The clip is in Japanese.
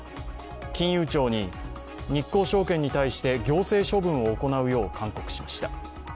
金融庁に日興証券に対して行政処分を行うよう勧告しました。